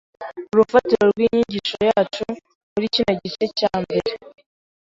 urufatiro rw’ inyigisho yacu muri kino gice ca mbere.